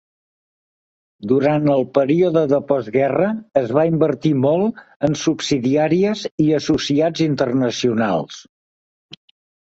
Durant el període de postguerra, es va invertir molt en subsidiàries i associats internacionals.